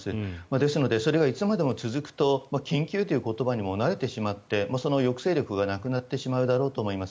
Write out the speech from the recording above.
ですのでそれがいつまでも続くと緊急という言葉にも慣れてしまってその抑制力がなくなってしまうだろうと思います。